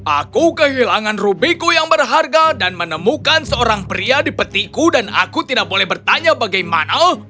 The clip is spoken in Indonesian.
aku kehilangan rubiku yang berharga dan menemukan seorang pria di petiku dan aku tidak boleh bertanya bagaimana